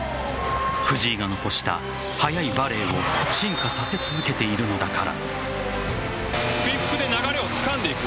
藤井が残した速いバレーを進化させ続けているのだから。